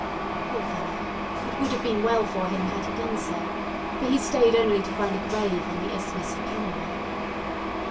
Poor fellow! it would have been well for him had he done so; for he stayed only to find a grave on the Isthmus of Panama.